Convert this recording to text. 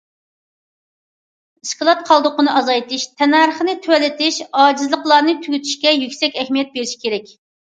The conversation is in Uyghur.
ئىسكىلات قالدۇقىنى ئازايتىش، تەننەرخنى تۆۋەنلىتىش، ئاجىزلىقلارنى تۈگىتىشكە يۈكسەك ئەھمىيەت بېرىش كېرەك.